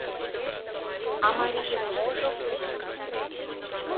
А марийын можо уло?